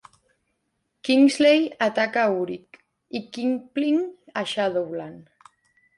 Kingsley ataca a Urich i Kingpin a Shadowlan.